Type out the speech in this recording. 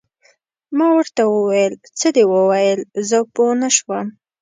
ما ورته وویل: څه دې وویل؟ زه پوه نه شوم.